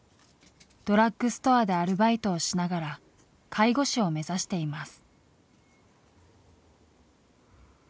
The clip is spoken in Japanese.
ドラッグストアでアルバイトをしながら介護士を目指しています。